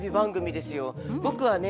僕はね